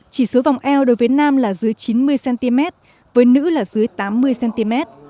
chỉ số vòng eo đối với nam là dưới chín mươi cm với nữ là dưới tám mươi cm